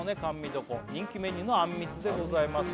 どこ人気メニューのあんみつでございますね